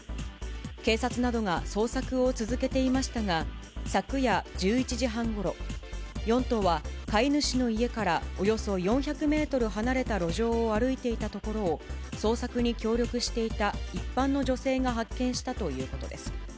警察などが捜索を続けていましたが、昨夜１１時半ごろ、４頭は飼い主の家からおよそ４００メートル離れた路上を歩いていたところを、捜索に協力していた一般の女性が発見したということです。